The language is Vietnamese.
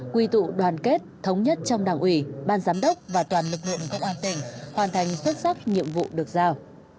quy tụ đoàn kết thống nhất trong đảng ủy ban giám đốc và toàn lực lượng công an tỉnh hoàn thành xuất sắc nhiệm vụ được giao